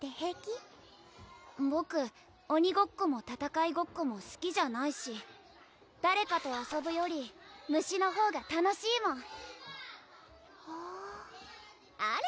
ボク鬼ごっこも戦いごっこもすきじゃないし誰かと遊ぶより虫のほうが楽しいもんふんあら